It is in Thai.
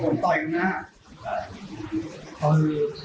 เข้ามาหลอกคอผมได้เห็นคนตอยกับหน้า